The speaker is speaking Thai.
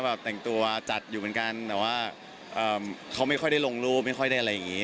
แบบแต่งตัวจัดอยู่เหมือนกันแต่ว่าเขาไม่ค่อยได้ลงรูปไม่ค่อยได้อะไรอย่างนี้